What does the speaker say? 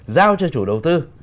giao cho chủ đầu tư